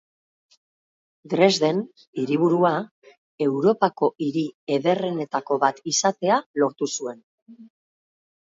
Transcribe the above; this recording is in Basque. Dresden, hiriburua, Europako hiri ederrenetako bat izatea lortu zuen.